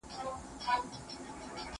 د ټولنپوهني دنده د وضعيت ښه والی دی.